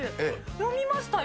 読みましたよ。